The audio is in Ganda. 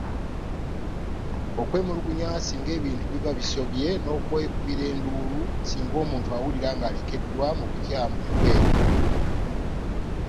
Okwemulugunya singa ebintu biba bisobye n’okwekubira enduulu singa omuntu awulira ng’alekeddwa mu bukyamu ebweru.